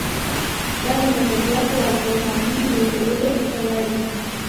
دا د نظریاتو او پیغامونو لیږدولو ته وایي.